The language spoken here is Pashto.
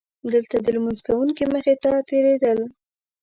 دلته د لمونځ کوونکي مخې ته تېرېدل.